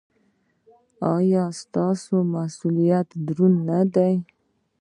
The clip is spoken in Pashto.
ایا ستاسو مسؤلیت دروند نه دی؟